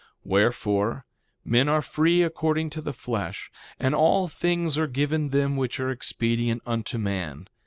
2:27 Wherefore, men are free according to the flesh; and all things are given them which are expedient unto man.